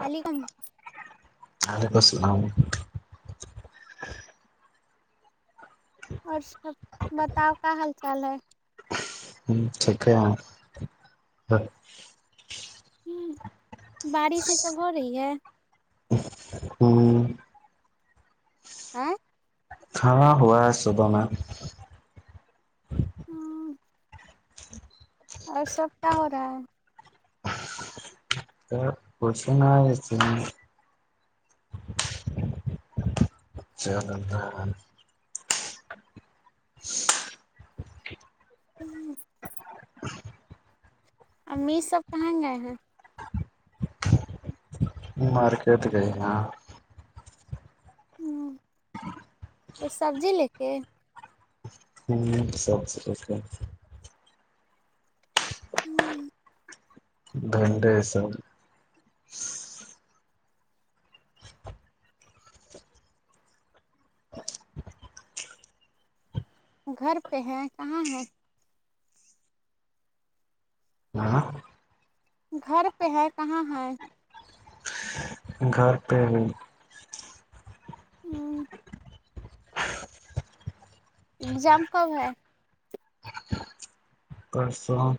علی گم وعلیکم السلام اور سب بتاؤ کا حال چال ہے ٹھیک ہے ہوں بارش یہ سب ہو رہی ہے ہوں آاں ہاں ہوا ہے صبح میں [unintelligible] اور سب کیا ہو رہا ہے پس [unintelligible] [unintelligible] میز سب کہیں گئے ہیں مارکیٹ کے ہوں توچ سبزی لے کے ہوں سب سے کچھ [unintelligible] [unintelligible] گھر پہ ہے کہاں ہیں ہاں گھر پہ ہے کہاں ہے گھر پہ بھی ہوں اگزام کب ہے پرسو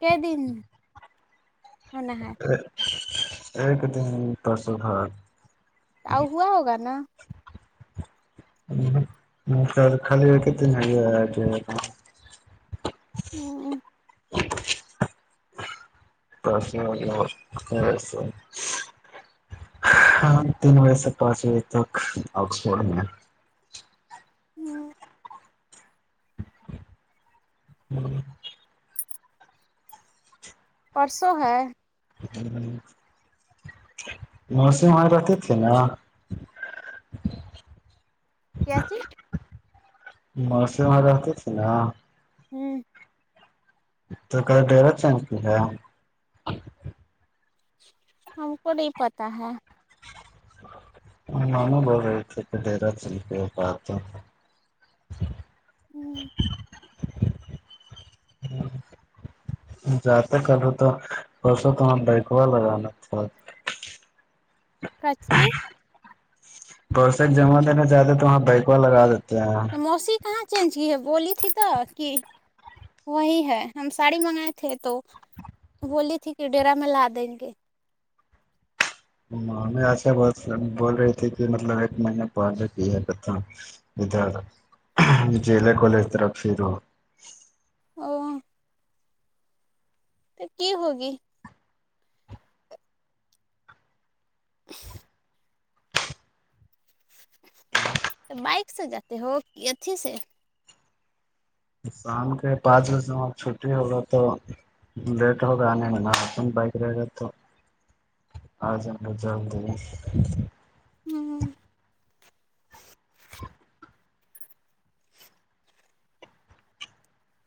ک دن ہونا ہے ایک ایک دن پسدھر اؤ ہوا ہوگا نا [unintelligible] خال کت [unintelligible] توسس تین بجے سے پانچ بجے تک آکسفورڈ میں ہوں [unintelligible] پرسوں ہے [unintelligible] نرسم و رہتے تھے نا کیا چیز موسماں رہتے تھے نا ہوں تو کل ڈرور چینج کی ہے ہم کو نہیں پتا ہے ہمو بول رہ تھے کہ ڈیرا کہ ہوں جاتات کرتے تو پرسوں تو بہکا لگانانا تھا کج کی پرسے جمع لینا چاہتے ہیں تو وہاں بیکوا لگا دیتے ہیں موسیی کہاں چینج کی ہے بولی تھی تو کہ وہی ہے ہم ساڑی منگائے تھے تو بولیلی تھی کہ ڈیرا میں لا دیں گے ہم میں اھا بات بول رہی تھی کہ مطلب ایک مہینے پہے کی ہے کت اھر جل کوول طرا فھر او کی ہوگی بائک سے جاتے ہو کہ اھی سے شام کے پانچ بجے میں آپ چھٹی ہوگو تو لیٹ ہوگا آنے میںن بائک رہے گا تو آ ج مج جان ہوں [inaudible]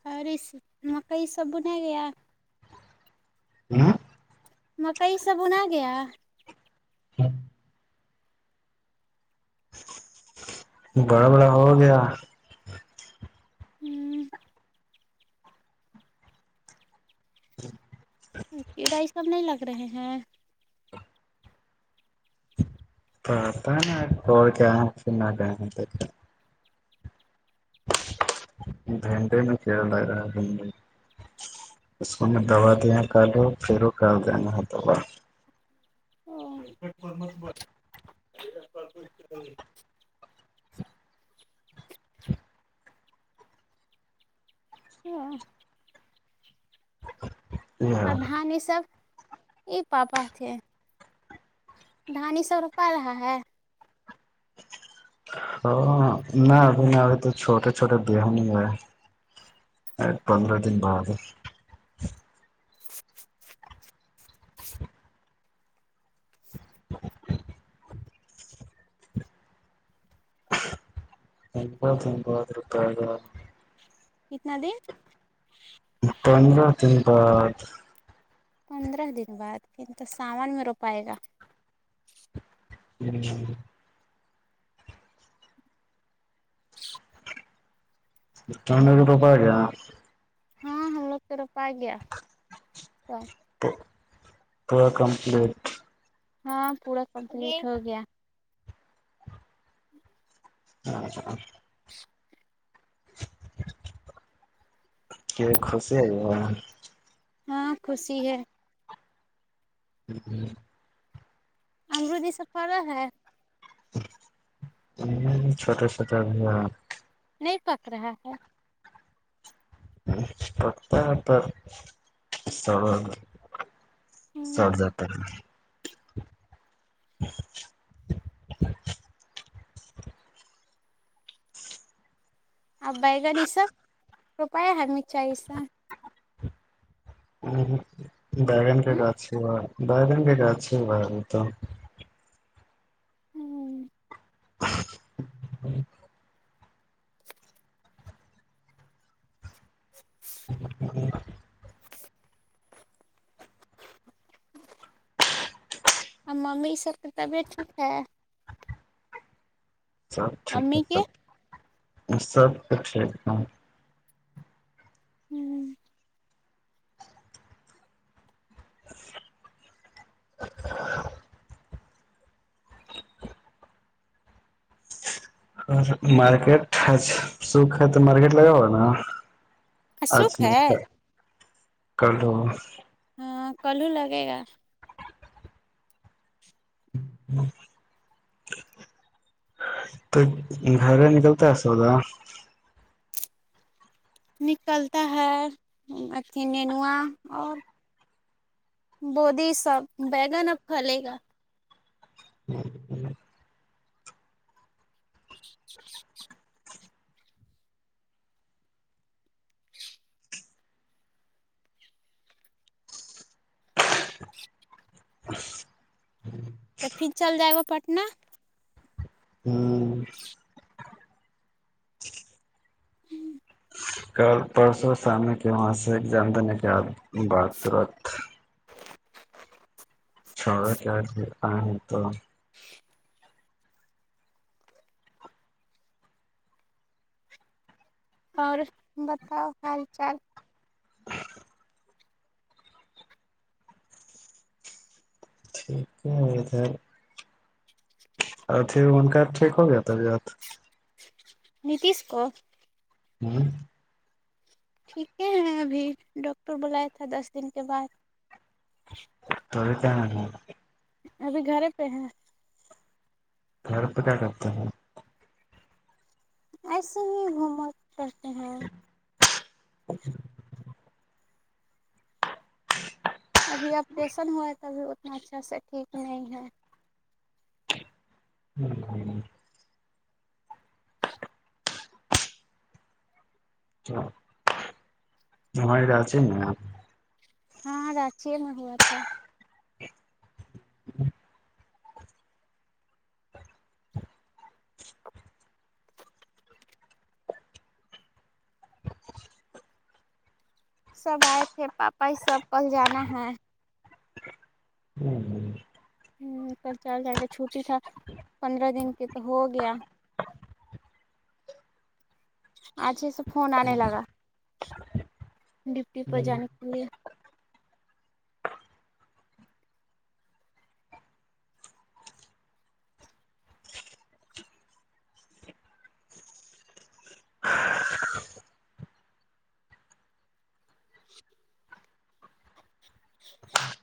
اور مکئی سب ن گےیا ہوں مکئی سب انا گیا ہاں بڑا بڑا ہو گیا ہوں جی کیڑائی سب نہیں لگ رہے ہیں پتا ہے توڑ کیا پھر نہ گھنٹے میں کھیل لگ رہا تمو اس کو میں دوا دیا کالو پھر وہ کال دینا ہے دوا ہاں فمت بے ہ ا دان یہ سب ایک پاپا تھے دھانی سب روپا رہا ہے ہ نہ ابھی ن ابھی تو چھوٹے چھوٹے بہن ہوئے ایک پندرہ دن بعد تن بہت تن بہترتا گا کتنا دیر تنا تنپا پندرہ دن بعد پھر تو سامان میں رو پائے گا ہی [inaudible] ات روپ گا ہاں ہم لوگ تو روپا گیا تو تو کمپلیٹ ہاں پورا کمپلیٹ ہو گیا ہ کہ خوشی ہےئی ہاں خوشی ہے ہ ہ امروودی سفارا ہے ہ چھوٹ چھوٹا ب نہیں پک رہا ہے پتامت استڑ سٹ جات ہے [unintelligible] اور بیگن یہ سب روپیہ ہمرمی چاہی سا بیگن کے ہ گاھا بیگن کے گاچ ہی با وہ تو ہوں ہ [inaudible] ہ ج ہ ممی اس سب کی طبیعت ٹھیک ہے سب ٹھیک ہے امی کے سب سب کچھ ایک دم ہوں اور مارکیٹ سکھ ہے تو مارکیٹ لگا ہوا نا اجھ سکھ میں ہے کلو ہاں کلو لگے گا ہوں تو گھر نکلتا ہے سوودا نکلتا ہے اھی ننوا اور بودی سب بیگن اب کھلے گا ہ [inaudible] ہ ت پھر چل جائے گا پٹنہ ہاں کل پرسوں سامنے کے وہاں سے ایگزام دینے کے بد باتات چھ چار تو اور بتاؤ حال چال ٹھیک ہے ہےدھر اور پھر ان کا ٹھیک ہو گیا تھاات نیتیش کو ہوں ٹھیکے ہیں ابھی ڈاکٹر بلایا تھا دس دن کے بعد توب کیا ابھی گھرے پہ ہے گھر پ کیا کرتا ہے ایسے بھی گھومو پتے ہیں [inaudible] ابھی آپریشن ہوا ہے تو ابھی اتنا اچھا سے ٹھیک نہیں ہے ہوں ہوں [inaudible] تو ہماری تو آچ نا ہاں راچیے میں ہوا تھا [unintelligible] سب آئے تھے پاپا ہی سب پل جانا ہے [unintelligible] ہ کل چار ج کے چھٹی تھا پندرہ دن کی تو ہو گیا آچھے سے فون آنے لگا ڈپٹی پر جانے کے لیے [inaudible] [unintelligible]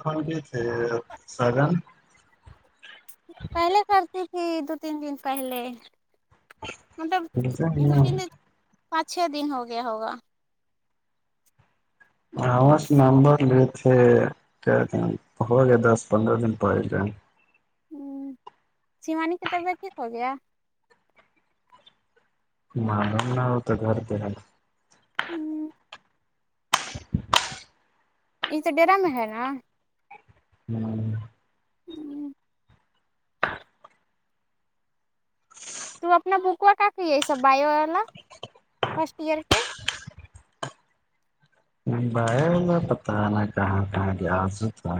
فن کی تھے سرن پہلے کرتی تھی دو تین دن پہلے مطلب دو تین دن پانچ چھ دن ہو گیا ہوگا ہ سے نمبر لی تھے کیاتے ہو گیا دس پندرہ دن پہ گئے ہوں سیوانی کتابہ ٹھیک ہو گیا معلم نہ ہو تو گھر پہ ہے ہوں یہ تو ڈرا میں ہے نا [inaudible] ہوں تو اپنا بکوا کا کہی ہے سب بائیو والا فرسٹ ایئر کے ب پتہ نا کہاں کہاں جیاازو تھا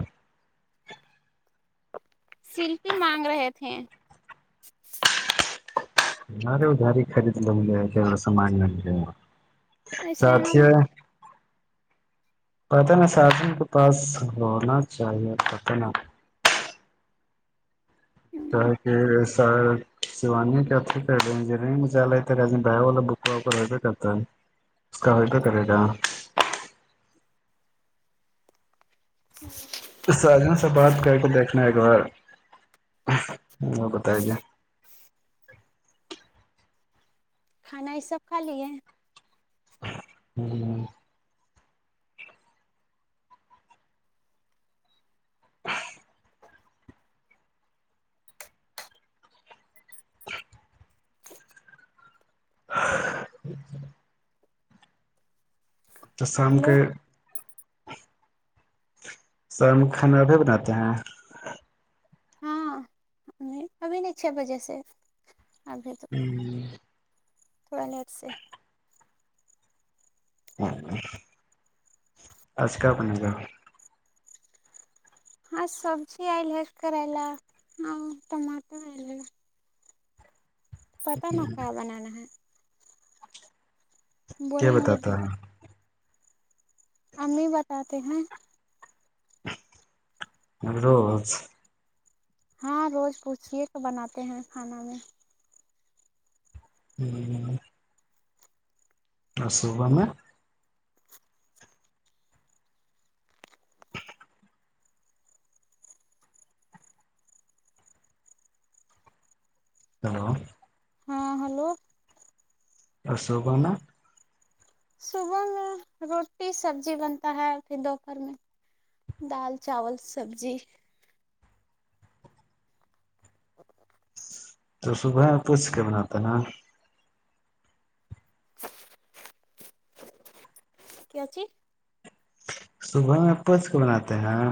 شلپی مانگ رہے تھے اارے اداری خرید ل مجے جا سمان لا ایسے چتی ہم ہے پتن سھن کے پاس ہونا چاہیے پت ن سیوانی اھی کر رہے م ب والا وہپر فدہ کرتا ہے اس کا حائدہ کرے گا [unintelligible] سادوں سے بات کر کے دیکھنا ایک بار وہ بتائی گے کھانا یہ سب کھا لی ہے ہوں ہ [unintelligible] تو سام ہلو کے سر میں کھانا ابھی بناتے ہیں ہاں ا ابھی نہیں چھ بجے سے ابھی تو تھڑ سے ہ آج ک اپنا جاؤ ہاں سبزی آئل ہے کرا ل ہاں ٹماٹو آئل پتا مکھا بنا نہ کیا بولیں گے جو بتاتا ہے امی بتاتے ہیں روز ہاں روز پوچے کہ بناتے ہیں کھانا میں [inaudible] اور صبح میں ہلو ہاں ہلو اور شوگنا صبح میں روٹی سبزی بنتا ہے پھر دوپہر میں دال چاول سبزی [inaudible] تو صبح پوچھ کے بناتا نا [inaudible] [inaudible] صبح میںپس کے بناتے ہیں